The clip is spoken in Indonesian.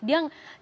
dia nggak fiktif